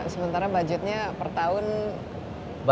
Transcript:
sementara budgetnya per tahun rp empat puluh an ya